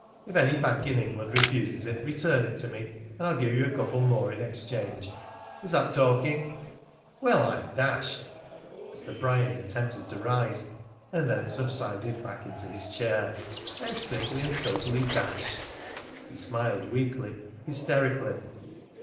If any bank in England refuses it, return it to me, and I'll give you a couple more in exchange. Is that talking?" "Well, I'm dashed!" Mr. Bryany attempted to rise, and then subsided back into his chair. "I am simply and totally dashed!" He smiled weakly, hysterically.